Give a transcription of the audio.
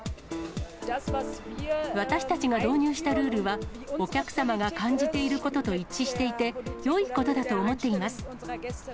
私たちが導入したルールは、お客様が感じていることと一致していて、よいことだと思っています。